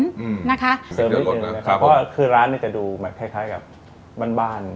เพราะว่าร้านนี้จะดูคล้ายกับบ้าน